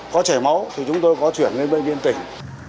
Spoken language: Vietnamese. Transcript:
có chảy máu thì chúng tôi có chuyển lên bệnh viện tỉnh